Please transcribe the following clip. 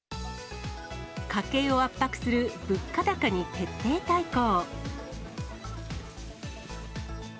家計を圧迫する物価高に徹底対抗。